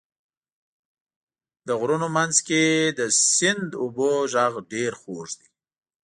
د غرونو منځ کې د سیند اوبو غږ ډېر خوږ دی.